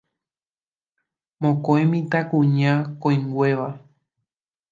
mokõi mitãkuña koĩnguéva.